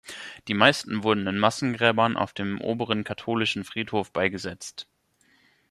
Die meisten wurden in Massengräbern auf dem Oberen Katholischen Friedhof beigesetzt.